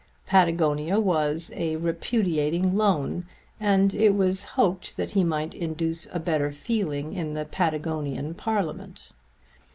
Patagonia was repudiating a loan, and it was hoped that he might induce a better feeling in the Patagonian Parliament.